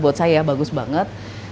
buat saya bagus banget